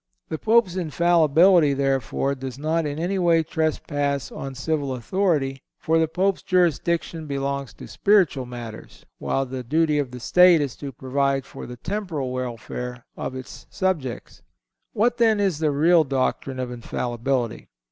The Pope's Infallibility, therefore, does not in any way trespass on civil authority; for the Pope's jurisdiction belongs to spiritual matters, while the duty of the State is to provide for the temporal welfare of its subjects. What, then, is the real doctrine of Infallibility?